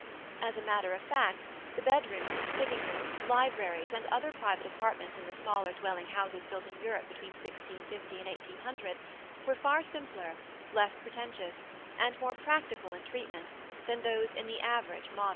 As a matter of fact, the bed rooms, sitting rooms, libraries and other private apartments in the smaller dwelling houses built in Europe between 1650 and 1800 were far simpler, less pretentious and more practical in treatment than those in the average modern house.